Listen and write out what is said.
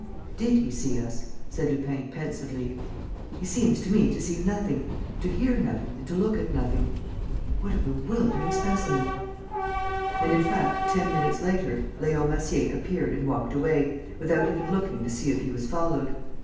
"Did he see us?" said Lupin, pensively. "He seems to me to see nothing, to hear nothing and to look at nothing. What a bewildering specimen!" And, in fact, ten minutes later, Leon Massier appeared and walked away, without even looking to see if he was followed.